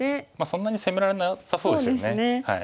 そんなに攻められなさそうですよね。